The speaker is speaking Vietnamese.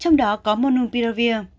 trong đó có monopiravir